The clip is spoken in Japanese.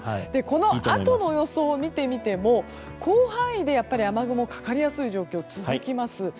このあとの予想を見てみても広範囲で雨雲がかかりやすい状況それが続きます。